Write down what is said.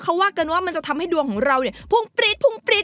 เค้าว่ากันว่ามันจะทำให้ดวงของเราเนี่ย